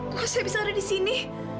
kok saya bisa ada di sini